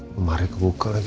kemari kebuka lagi